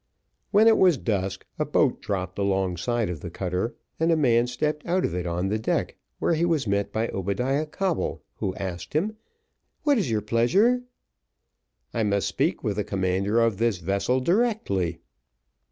When it was dusk, a boat dropped alongside of the cutter, and a man stepped out of it on the deck, when he was met by Obadiah Coble, who asked him, "What's your pleasure?" "I must speak with the commander of this vessel directly."